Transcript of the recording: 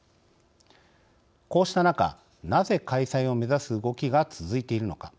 こうした中なぜ開催を目指す動きが続いているのか。